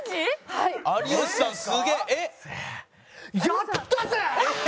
やったぜ！